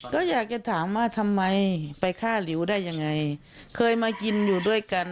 ก็อยากจะถามว่าทำไมไปฆ่าหลิวได้ยังไงเคยมากินอยู่ด้วยกัน